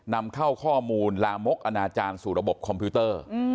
นำเข้าข้อมูลลามกอนาจารย์สู่ระบบคอมพิวเตอร์